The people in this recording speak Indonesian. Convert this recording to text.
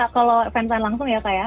kalau fansign langsung ya kak ya